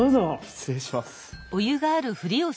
失礼します。